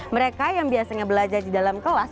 mereka yang biasanya belajar di dalam kelas